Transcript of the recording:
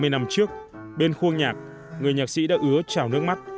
hai mươi năm trước bên khuôn nhạc người nhạc sĩ đã ứa chào nước mắt